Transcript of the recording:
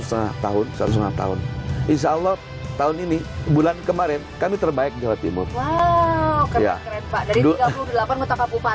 setengah tahun setengah tahun insyaallah tahun ini bulan kemarin kami terbaik jawa timur wow